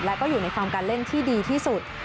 และก็อยู่ในฟอร์มการเล่นที่ดีที่สุด